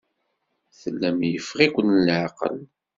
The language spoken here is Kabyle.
Tellam yeffeɣ-iken leɛqel.